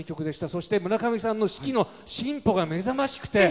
そして、村上さんの指揮の進歩が目覚ましくて。